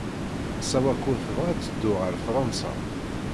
Sawako tebɣa ad teddu ɣer Fṛansa.